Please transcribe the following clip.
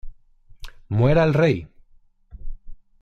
Muera el Rey!